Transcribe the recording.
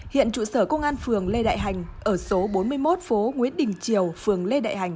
hiện trụ sở công an phường lê đại hành ở số bốn mươi một phố nguyễn đình triều phường lê đại hành